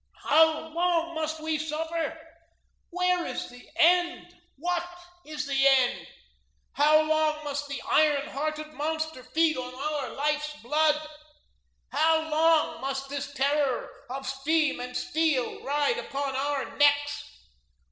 How long must we suffer? Where is the end; what is the end? How long must the iron hearted monster feed on our life's blood? How long must this terror of steam and steel ride upon our necks?